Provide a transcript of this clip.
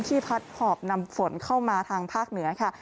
พัดหอบนำฝนเข้ามาทางภาคเหนือค่ะ